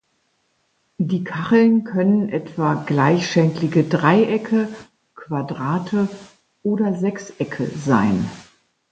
Die Kacheln können etwa gleichschenklige Dreiecke, Quadrate oder Sechsecke sein.